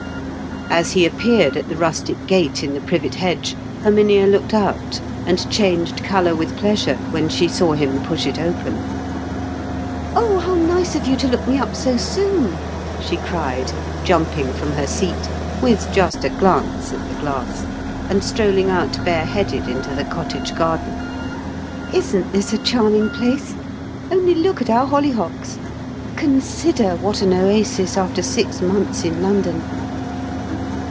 As he appeared at the rustic gate in the privet hedge, Herminia looked out, and changed colour with pleasure when she saw him push it open. "Oh, how nice of you to look me up so soon!" she cried, jumping from her seat (with just a glance at the glass) and strolling out bareheaded into the cottage garden. "Isn't this a charming place? Only look at our hollyhocks! Consider what an oasis after six months of London!"